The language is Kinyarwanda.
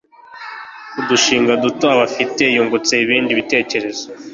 ku dushinga duto abafitiye yungutse ibindi bitekerezo